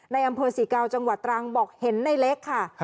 ในอำเภอศรีเกาจังหวัดตรังบอกเห็นในเล็กค่ะ